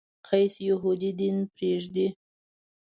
قیس یهودي دین پرېږدي.